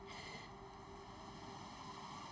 tadi tidak secara rinci dijelaskan oleh retno marsudi